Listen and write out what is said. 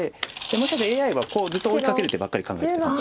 もしかしたらＡＩはこうずっと追いかける手ばっかり考えてたかも。